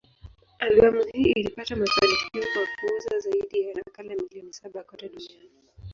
Albamu hii ilipata mafanikio kwa kuuza zaidi ya nakala milioni saba kote duniani.